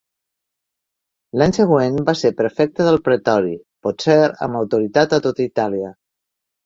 L'any següent va ser prefecte del pretori, potser amb autoritat a tota Itàlia.